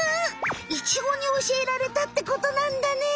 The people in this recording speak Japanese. イチゴにおしえられたってことなんだね。